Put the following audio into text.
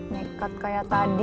nikat kayak tadi